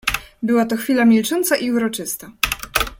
"Była to chwila milcząca i uroczysta."